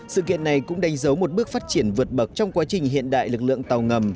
sự kiện này cũng đánh dấu một bước phát triển vượt bậc trong quá trình hiện đại lực lượng tàu ngầm